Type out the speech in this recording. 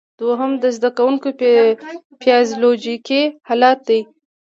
دوهم د زده کوونکي فزیالوجیکي حالت دی.